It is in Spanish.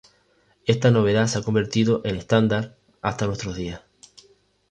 Esta novedad se ha convertido en estándar hasta nuestros días.